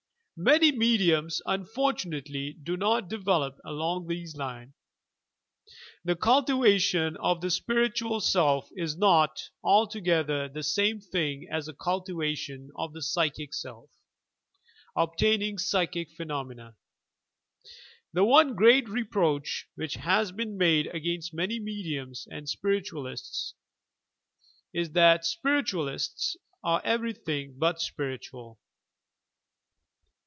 Many mediums unfortunately do not develop along this line. The cultivation of the spiritual self is not. altogether the same, thing as the cultivation of the psychic self, — obtaining psychic phenomena. The one great reproach which has been made against many mediums and spiritualists (it must be admitted, with some justice), is that "spiritualists are everything but spiritual!"